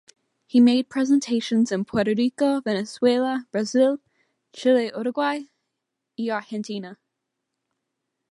He made presentations in Puerto Rico, Venezuela, Brasil, Chile Uruguay y Argentina.